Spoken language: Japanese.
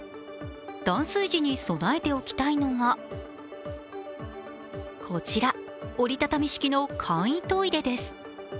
断水時に備えておきたいのがこちら、折り畳み式の簡易トイレです。